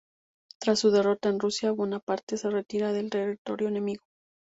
Tras su derrota en Rusia, Bonaparte se retira del territorio enemigo.